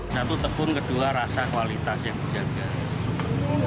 satu tebun kedua rasa kualitas yang dijaga